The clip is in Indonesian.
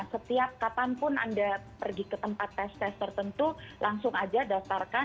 setiap kapanpun anda pergi ke tempat tes tes tertentu langsung aja daftarkan